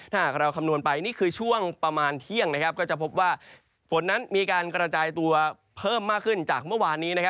ถ้าหากเราคำนวณไปนี่คือช่วงประมาณเที่ยงก็จะพบว่าฝนนั้นมีการกระจายตัวเพิ่มมากขึ้นจากเมื่อวานนี้